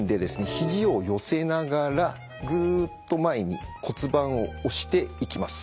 ひじを寄せながらグッと前に骨盤を押していきます。